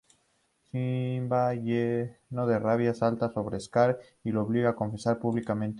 Simba lleno de rabia salta sobre Scar y lo obliga a confesar públicamente.